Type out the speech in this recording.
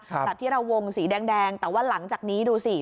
แบบที่เราวงสีแดงแต่ว่าหลังจากนี้ดูสิ